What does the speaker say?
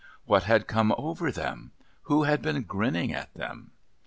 What had come over them? Who had been grinning at them?